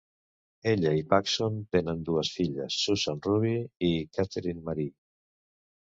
Ella i Paxon tenen dues filles, Susan Ruby i Katherine Marie.